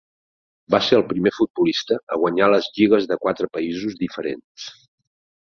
Va ser el primer futbolista a guanyar les lligues de quatre països diferents.